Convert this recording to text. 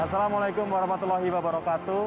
assalamualaikum warahmatullahi wabarakatuh